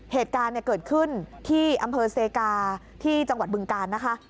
เหตุการณ์เกิดขึ้นที่อำเภอเซกาที่จังหวัดบึงการนะคะ